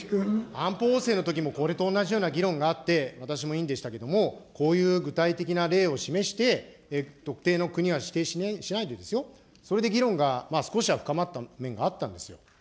安保法制のときもこれと同じような議論があって、私も委員でしたけど、こういう具体的な例を示して、特定の国は指定しないでですよ、それで議論が少しは深まった面があったんですよ。